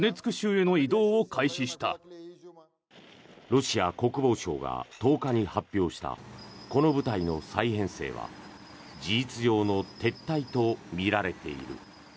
ロシア国防省が１０日に発表したこの部隊の再編成は事実上の撤退とみられている。